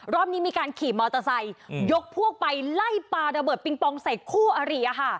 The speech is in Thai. รอบนี้มีการขี่มอเตอร์ไซค์ยกพวกไปไล่ปลาระเบิดปิงปองใส่คู่อริ